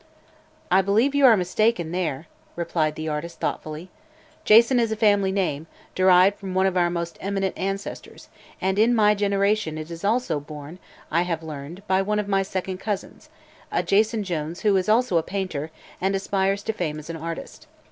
"I believe you are mistaken there," replied the artist thoughtfully. "Jason is a family name, derived from one of our most eminent ancestors, and in my generation it is also borne, I have learned, by one of my second cousins, a Jason Jones who is also a painter and aspires to fame as an artist.